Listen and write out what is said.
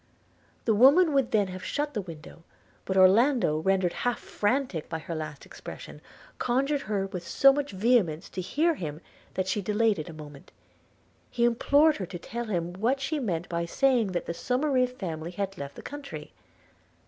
The woman would then have shut the window; but Orlando, rendered half frantic by her last expression, conjured her with so much vehemence to hear him, that she delayed it a moment. – He implored her to tell him what she meant by saying that the Somerive family had left the country.